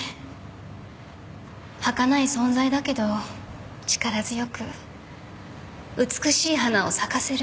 はかない存在だけど力強く美しい花を咲かせる。